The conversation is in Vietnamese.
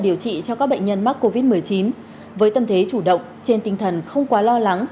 điều trị cho các bệnh nhân mắc covid một mươi chín với tâm thế chủ động trên tinh thần không quá lo lắng